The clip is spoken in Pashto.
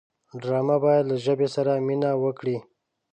ډرامه باید له ژبې سره مینه وکړي